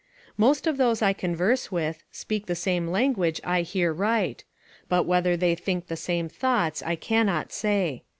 Most of those I converse with, speak the same language I here write; but whether they think the same thoughts I cannot say.